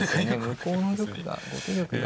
向こうの玉が後手玉が。